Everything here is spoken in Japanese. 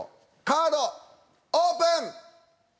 カードオープン！